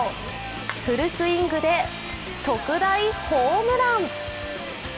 フルスイングで特大ホームラン。